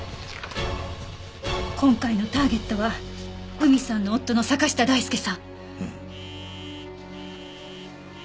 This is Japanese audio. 今回のターゲットは海さんの夫の坂下大輔さん。